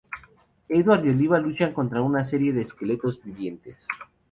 Edward y Olivia luchan contra una serie de esqueletos vivientes.